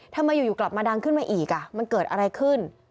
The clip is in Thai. ทำไมอยู่กลับมาดังขึ้นมาอีกมันเกิดอะไรขึ้น